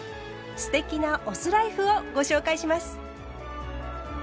“酢テキ”なお酢ライフをご紹介します。